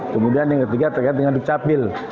kemudian yang ketiga terkait dengan dukcapil